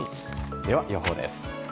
では、予報です。